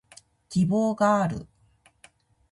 希望がある